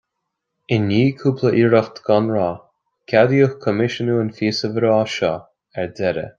I ndiaidh cúpla iarracht gan rath, ceadaíodh coimisiúnú an phíosa bhreá seo ar deireadh